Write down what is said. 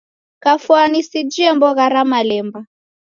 Kafwani sijie mbogha ra malemba.